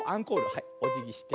はいおじぎして。